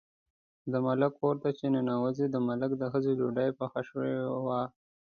د ملک کور ته چې ننوتې، د ملک د ښځې ډوډۍ پخه شوې وه.